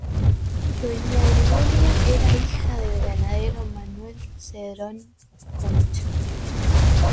Doña Gregoria era hija del ganadero Manuel Cerón Concha.